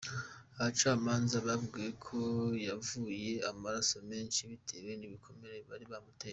Abacamanza babwiwe ko "yavuye amaraso menshi bitewe n'ibikomere bari bamuteje".